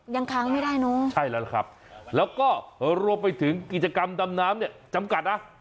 ยังค้างไม่ได้เนอะใช่แล้วล่ะครับแล้วก็รวมไปถึงกิจกรรมดำน้ำเนี่ยจำกัดนะ